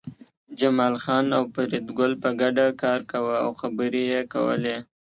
جمال خان او فریدګل په ګډه کار کاوه او خبرې یې کولې